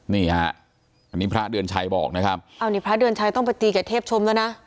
นี่ฮะอันนี้พระเดือนชัยบอกนะครับอ้าวนี่พระเดือนชัยต้องไปตีกับเทพชมแล้วนะ